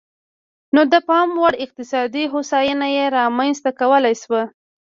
نو د پاموړ اقتصادي هوساینه یې رامنځته کولای شوه.